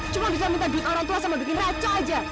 cuma bisa minta duit orang tua sama bikin raca aja